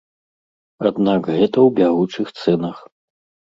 Аднак гэта ў бягучых цэнах.